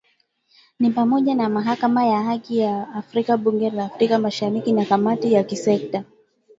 ni pamoja na Mahakama ya Haki ya Afrika Bunge la Afrika Mashariki na kamati za kisekta